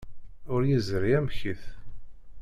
Ur yeẓri amek-it?